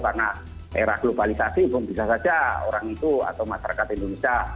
karena era globalisasi belum bisa saja orang itu atau masyarakat indonesia